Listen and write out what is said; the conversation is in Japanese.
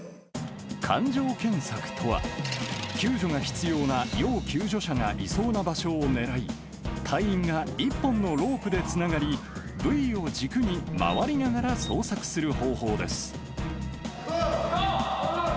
環状検索とは、救助が必要な要救助者がいそうな場所を狙い、隊員が１本のロープでつながり、ぶいを軸に周りながら捜索する方法です。